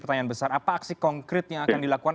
pertanyaan besar apa aksi konkret yang akan dilakukan